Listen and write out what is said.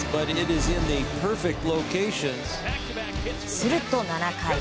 すると７回。